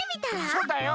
そうだよ。